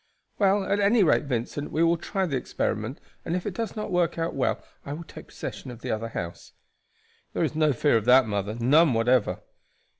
"Well, at any rate, Vincent, we will try the experiment, and if it does not work well I will take possession of the other house." "There is no fear of that, mother, none whatever."